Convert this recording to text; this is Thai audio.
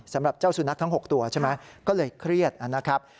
สำหรับเจ้าสุนัขทั้ง๖ตัวใช่ไหมก็เลยเครียดนะครับ